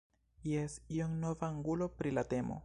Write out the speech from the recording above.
Jes, iom nova angulo pri la temo.